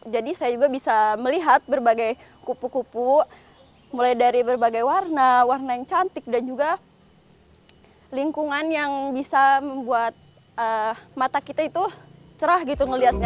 saya juga bisa melihat berbagai kupu kupu mulai dari berbagai warna warna yang cantik dan juga lingkungan yang bisa membuat mata kita itu cerah gitu ngeliatnya